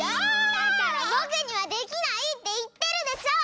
だからぼくにはできないっていってるでしょ！